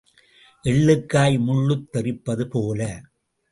எள்ளுக்காய் முள்ளுத் தெறிப்பது போல.